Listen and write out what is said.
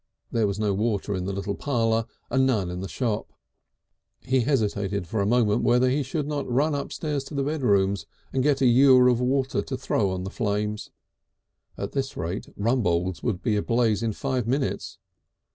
There was no water in the little parlour and none in the shop. He hesitated for a moment whether he should not run upstairs to the bedrooms and get a ewer of water to throw on the flames. At this rate Rumbold's would be ablaze in five minutes!